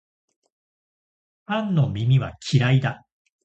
パンの耳は嫌いだ